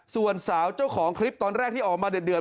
ส่วนสาวเจ้าของคลิปตอนแรกที่ออกมาเดือด